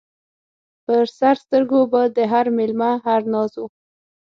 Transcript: پر سر سترګو به د هر مېلمه هر ناز و